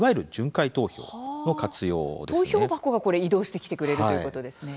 投票箱が移動してきてくれるということですね。